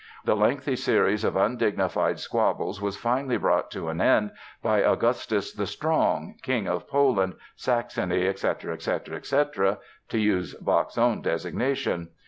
The lengthy series of undignified squabbles was finally brought to an end by Augustus the Strong, King of Poland, Saxony, "etc., etc., etc." (to use Bach's own designation).